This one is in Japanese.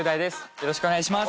よろしくお願いします